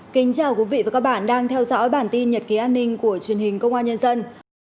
kính chào quý vị và các bạn đang theo dõi bản tin nhật ký an ninh của truyền hình công an nhân dân